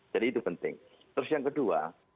jadi itu penting terus yang kedua